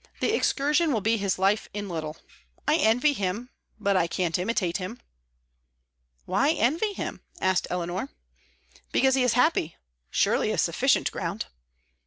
The excursion will be his life in little. I envy him, but I can't imitate him." "Why envy him?" asked Eleanor. "Because he is happy; surely a sufficient ground."